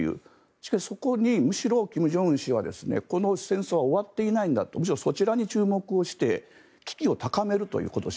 しかし、そこにむしろ金正恩氏はこの戦争は終わっていないんだとむしろそちらに注目して危機を高めるという今年。